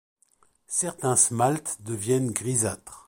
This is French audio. Certains smalts deviennent grisâtres.